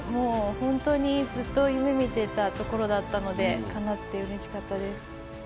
ほんとにずっと夢みてたところだったのでかなってうれしかったです。